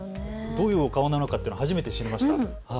どういうお顔なのかというのは初めて知りました。